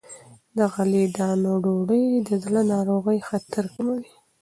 له غلې- دانو ډوډۍ د زړه ناروغۍ خطر کموي.